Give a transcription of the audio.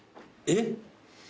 えっ？